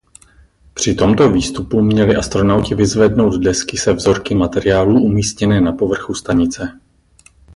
Při tomto výstupu měli astronauti vyzvednout desky se vzorky materiálů umístěné na povrchu stanice.